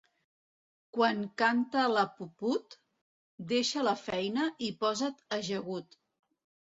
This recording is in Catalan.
Quan canta la puput, deixa la feina i posa't ajagut.